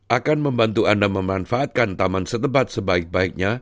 akan membantu anda memanfaatkan taman setepat sebaik baiknya